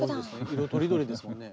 色とりどりですもんね。